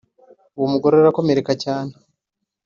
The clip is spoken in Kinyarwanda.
uwo mugore arakomereka cyane